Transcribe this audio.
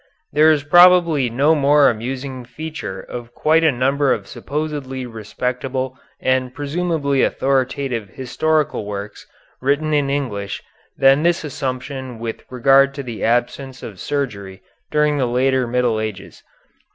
There is probably no more amusing feature of quite a number of supposedly respectable and presumably authoritative historical works written in English than this assumption with regard to the absence of surgery during the later Middle Ages.